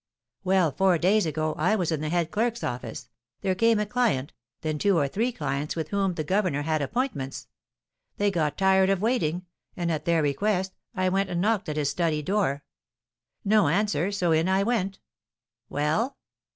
"Well, four days ago I was in the head clerk's office; there came a client, then two or three clients with whom the governor had appointments. They got tired of waiting; and, at their request, I went and knocked at his study door. No answer; so in I went." "Well?"